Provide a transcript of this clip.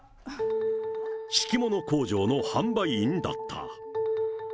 敷物工場の販売員だった。